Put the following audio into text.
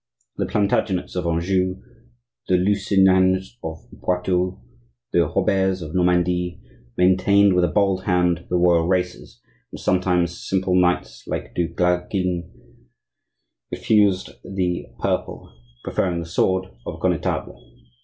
The Plantagenets of Anjou, the Lusignans of Poitou, the Roberts of Normandie, maintained with a bold hand the royal races, and sometimes simple knights like du Glaicquin refused the purple, preferring the sword of a connetable.